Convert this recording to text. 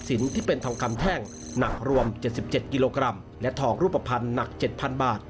ที่เป็นทองคำแท่งหนักรวม๗๗กิโลกรัมและทองรูปภัณฑ์หนัก๗๐๐บาท